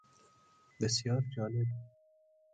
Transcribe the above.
بسیار جالب